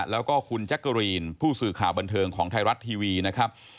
แล้วก็คุณแจ๊กกะรีนผู้สื่อข่าวบันเทิงของไทยรัฐทีวีนะครับ